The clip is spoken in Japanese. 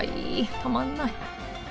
たまんない。